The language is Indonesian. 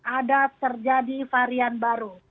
ada terjadi varian baru